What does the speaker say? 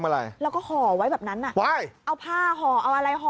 แล้วก็หอว่าไว้แบบนั้นเอาผ้าหอเอาอะไรหอ